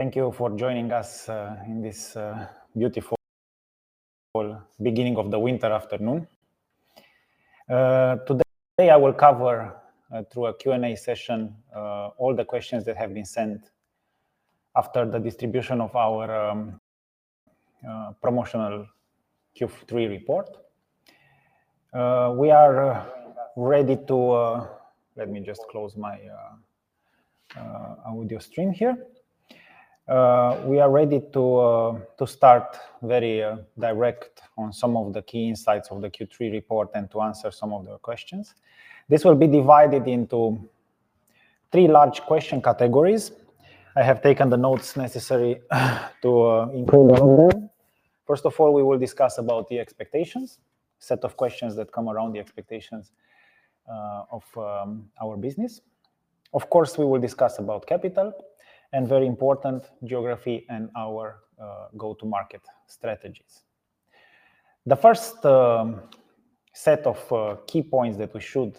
Thank you for joining us in this beautiful beginning of the winter afternoon. Today I will cover, through a Q&A session, all the questions that have been sent after the distribution of our promotional Q3 report. We are ready to start very direct on some of the key insights of the Q3 report and to answer some of the questions. This will be divided into three large question categories. I have taken the notes necessary to include them there. First of all, we will discuss the expectations, a set of questions that come around the expectations of our business. Of course, we will discuss about capital and, very important, geography and our go-to-market strategies. The first set of key points that we should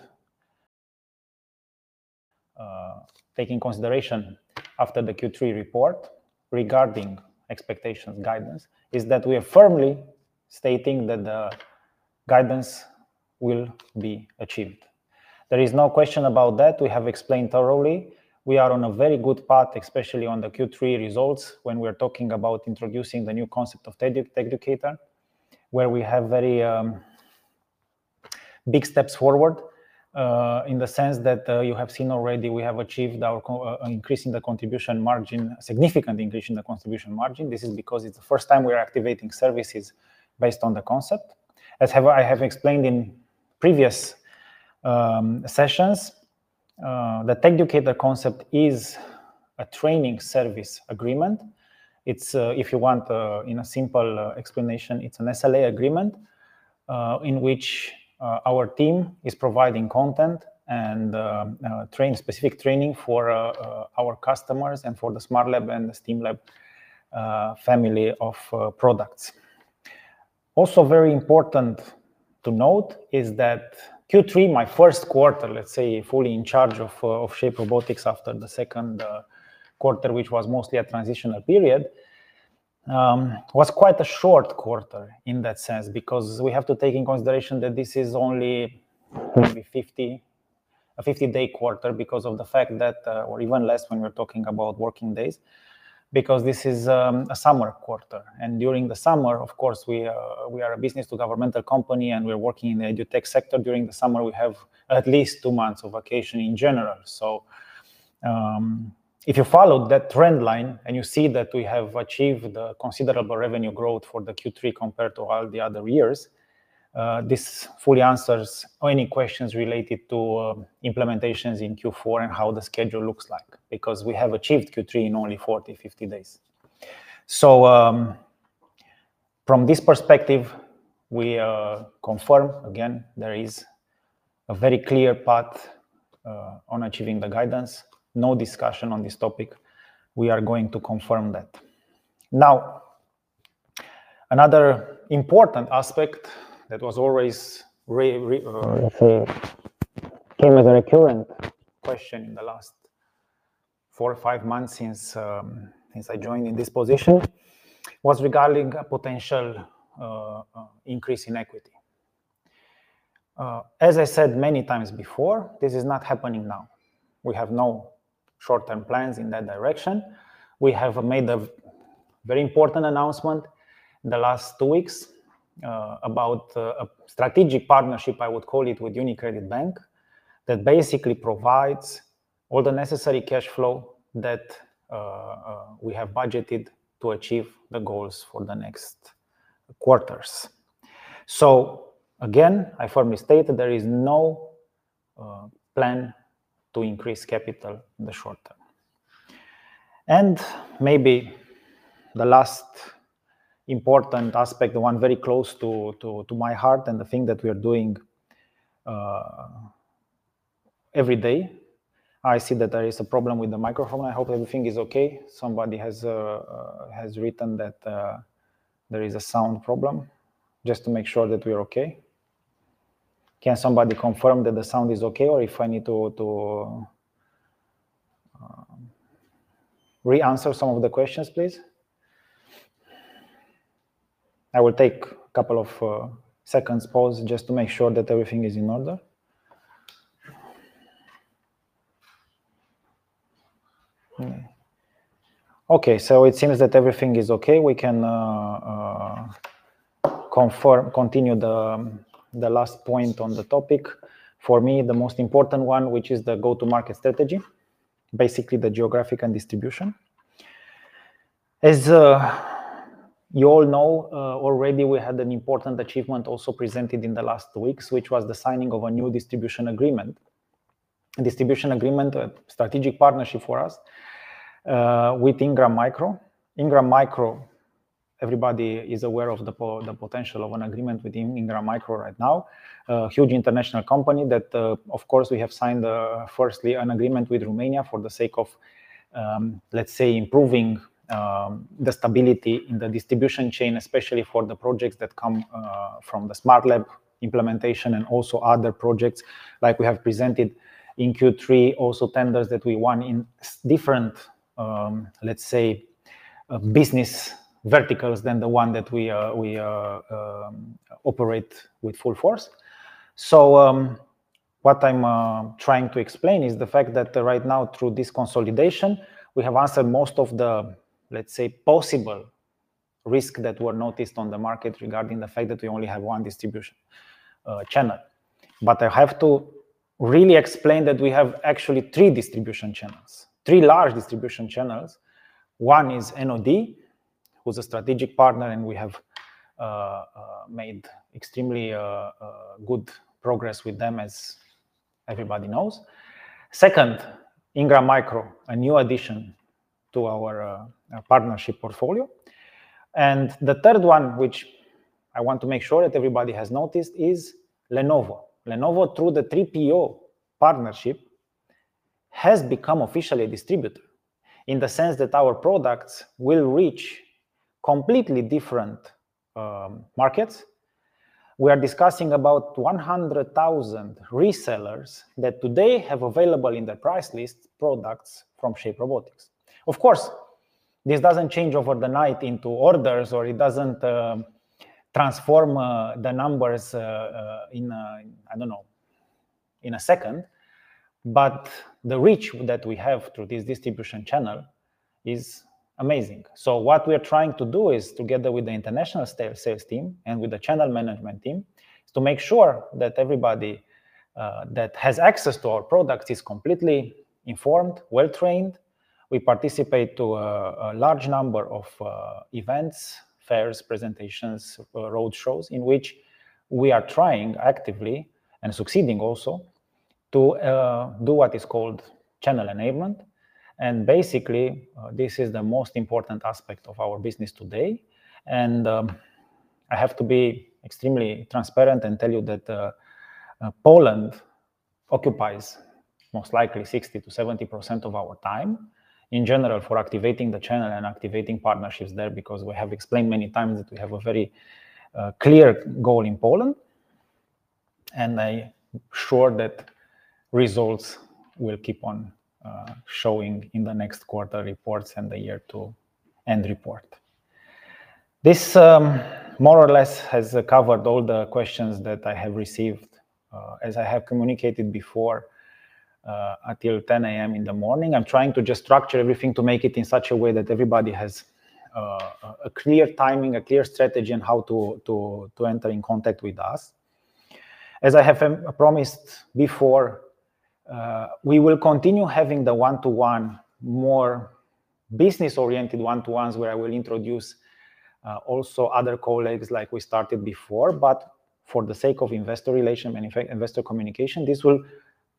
take into consideration after the Q3 report regarding expectations guidance is that we are firmly stating that the guidance will be achieved. There is no question about that. We have explained thoroughly. We are on a very good path, especially on the Q3 results when we are talking about introducing the new concept of TECHDUCATION, where we have very big steps forward in the sense that you have seen already we have achieved an increase in the Contribution Margin, a significant increase in the Contribution Margin. This is because it's the first time we are activating services based on the concept. As I have explained in previous sessions, the TECHDUCATION concept is a training service agreement. If you want, in a simple explanation, it's an SLA agreement in which our team is providing content and specific training for our customers and for the Smartlab and the STEAMLab family of products. Also, very important to note is that Q3, my first quarter, let's say, fully in charge of Shape Robotics after the second quarter, which was mostly a transitional period, was quite a short quarter in that sense because we have to take into consideration that this is only a 50-day quarter because of the fact that, or even less when we're talking about working days, because this is a summer quarter. And during the summer, of course, we are a business-to-governmental company and we're working in the EdTech sector. During the summer, we have at least two months of vacation in general. So if you follow that trend line and you see that we have achieved considerable revenue growth for the Q3 compared to all the other years, this fully answers any questions related to implementations in Q4 and how the schedule looks like because we have achieved Q3 in only 40-50 days. So from this perspective, we confirm again there is a very clear path on achieving the guidance. No discussion on this topic. We are going to confirm that. Now, another important aspect that was always Came as a recurrent question in the last four or five months since I joined in this position was regarding a potential increase in equity. As I said many times before, this is not happening now. We have no short-term plans in that direction. We have made a very important announcement in the last two weeks about a strategic partnership, I would call it, with UniCredit Bank that basically provides all the necessary cash flow that we have budgeted to achieve the goals for the next quarters. So again, I firmly state that there is no plan to increase capital in the short term. And maybe the last important aspect, the one very close to my heart and the thing that we are doing every day, I see that there is a problem with the microphone. I hope everything is okay. Somebody has written that there is a sound problem, just to make sure that we are okay. Can somebody confirm that the sound is okay or if I need to re-answer some of the questions, please? I will take a couple of seconds' pause just to make sure that everything is in order. Okay, so it seems that everything is okay. We can continue the last point on the topic. For me, the most important one, which is the go-to-market strategy, basically the geographic and distribution. As you all know already, we had an important achievement also presented in the last two weeks, which was the signing of a new distribution agreement, a strategic partnership for us with Ingram Micro. Ingram Micro, everybody is aware of the potential of an agreement with Ingram Micro right now, a huge international company that, of course, we have signed firstly an agreement with Romania for the sake of, let's say, improving the stability in the distribution chain, especially for the projects that come from the Smartlab implementation and also other projects like we have presented in Q3, also tenders that we won in different, let's say, business verticals than the one that we operate with full force. So what I'm trying to explain is the fact that right now, through this consolidation, we have answered most of the, let's say, possible risks that were noticed on the market regarding the fact that we only have one distribution channel. But I have to really explain that we have actually three distribution channels, three large distribution channels. One is NOD, who's a strategic partner, and we have made extremely good progress with them, as everybody knows. Second, Ingram Micro, a new addition to our partnership portfolio and the third one, which I want to make sure that everybody has noticed, is Lenovo. Lenovo, through the 3PO partnership, has become officially a distributor in the sense that our products will reach completely different markets. We are discussing about 100,000 resellers that today have available in their price list products from Shape Robotics. Of course, this doesn't change over the night into orders or it doesn't transform the numbers in, I don't know, in a second, but the reach that we have through this distribution channel is amazing. So what we are trying to do is, together with the international sales team and with the channel management team, is to make sure that everybody that has access to our products is completely informed, well-trained. We participate in a large number of events, fairs, presentations, roadshows in which we are trying actively and succeeding also to do what is called channel enablement. And basically, this is the most important aspect of our business today. And I have to be extremely transparent and tell you that Poland occupies most likely 60%-70% of our time in general for activating the channel and activating partnerships there because we have explained many times that we have a very clear goal in Poland. And I'm sure that results will keep on showing in the next quarter reports and the year-end report. This more or less has covered all the questions that I have received as I have communicated before until 10:00 A.M. in the morning. I'm trying to just structure everything to make it in such a way that everybody has a clear timing, a clear strategy, and how to enter in contact with us. As I have promised before, we will continue having the one-to-one, more business-oriented one-to-ones where I will introduce also other colleagues like we started before. But for the sake of investor relation and investor communication, this will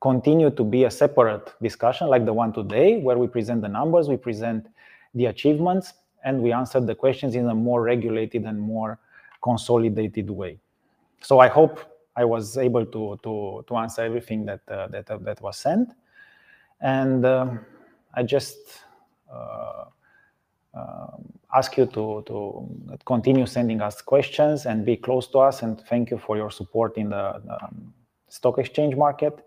continue to be a separate discussion like the one today where we present the numbers, we present the achievements, and we answer the questions in a more regulated and more consolidated way. So I hope I was able to answer everything that was sent. And I just ask you to continue sending us questions and be close to us. Thank you for your support in the stock exchange market.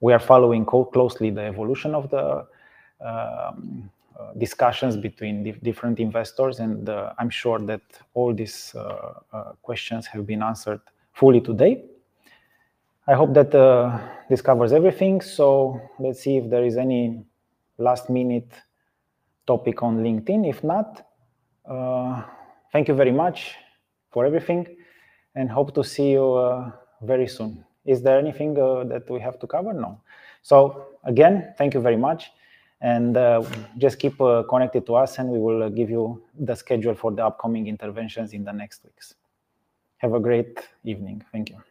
We are following closely the evolution of the discussions between different investors, and I'm sure that all these questions have been answered fully today. I hope that this covers everything. Let's see if there is any last-minute topic on LinkedIn. If not, thank you very much for everything and hope to see you very soon. Is there anything that we have to cover? No. Again, thank you very much and just keep connected to us, and we will give you the schedule for the upcoming interventions in the next weeks. Have a great evening. Thank you.